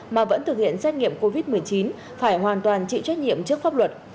mà vẫn thực hiện xét nghiệm covid một mươi chín phải hoàn toàn chịu trách nhiệm trước pháp luật